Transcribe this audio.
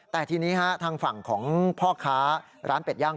แต่ทีนี้ทางฝั่งของพ่อค้าร้านเป็ดย่าง